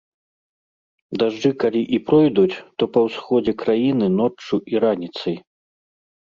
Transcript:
Дажджы калі і пройдуць, то па ўсходзе краіны ноччу і раніцай.